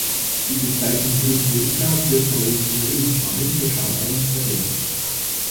Die Bezeichnung "brut nature" wird traditionell in Spanien für Schaumwein verwendet.